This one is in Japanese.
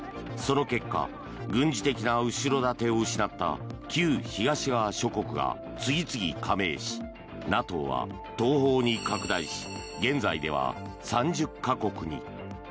その結果軍事的な後ろ盾を失った旧東側諸国が次々、加盟しＮＡＴＯは東方に拡大し現在では、３０か国に。